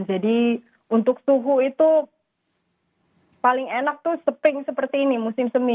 jadi untuk suhu itu paling enak tuh seping seperti ini musim semi